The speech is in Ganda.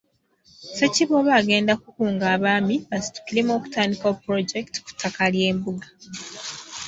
Ssekiboobo agenda kukunga Abaami basitukiremu okutandikawo pulojekiti ku ttaka ly’embuga.